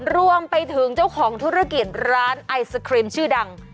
รวมไปถึงเจ้าของธุรกิจร้านไอศครีมชื่อดัง